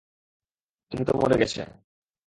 তিনি তো মরে গেছে।